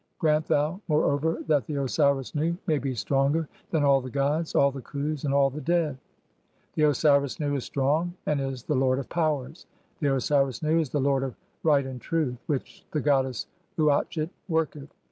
Grant thou, 'moreover, that the Osiris Nu may be stronger than all the gods, 'all the Khtis, and all the dead, (n) The Osiris Nu is strong 'and is the lord of powers. The Osiris Nu is the lord of right 'and truth (12) which the goddess Uatchit worketh.